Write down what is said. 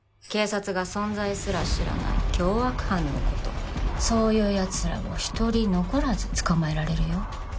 警察が存在すら知らない凶悪犯のことそういうやつらを一人残らず捕まえられるよ